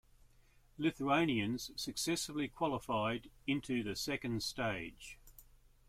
Lithuanians successfully qualified into the second stage.